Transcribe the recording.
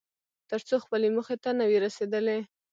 تر څو خپلې موخې ته نه وې رسېدلی.